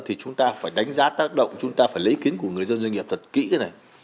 thì chúng ta phải đánh giá tác động chúng ta phải lấy kiến của người dân doanh nghiệp thật kỹ cái này